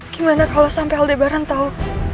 gimana kalau sampai aldebaran tau